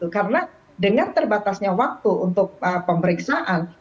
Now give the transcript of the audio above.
karena dengan terbatasnya waktu untuk pemeriksaan